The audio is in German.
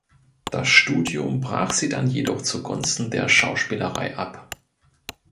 Das Studium brach sie dann jedoch zugunsten der Schauspielerei ab.